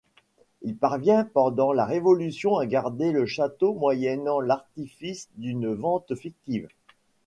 Il parvient pendant la révolution a garder le château moyennant l'artifice d'une vente fictive.